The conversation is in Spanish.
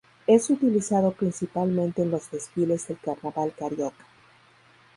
Es utilizado principalmente en los desfiles del carnaval carioca.